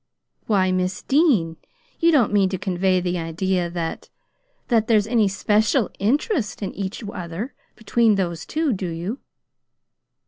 "Why, Miss Dean, you don't mean to convey the idea that that there's any SPECIAL interest in each other between those two, do you?"